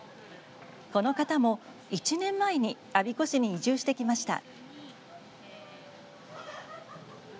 この方も１年前に我孫子市に移住してきました。